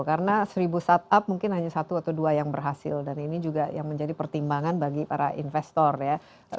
karena seribu startup mungkin hanya satu atau dua yang berhasil dan ini juga yang menjadi pertimbangan bagi para investor ya